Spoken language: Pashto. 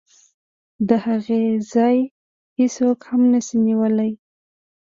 د هغې ځای هېڅوک هم نشي نیولی.